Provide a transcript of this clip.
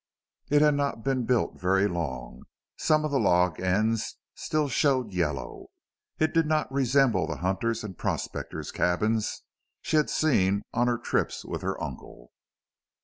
It had not been built very long; some of the log ends still showed yellow. It did not resemble the hunters' and prospectors' cabins she had seen on her trips with her uncle.